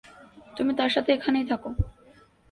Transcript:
তুমি তার সাথে এখানেই থাকো।